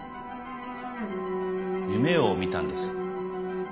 夢を見たんです。